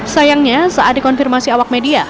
sayangnya saat dikonfirmasi awak media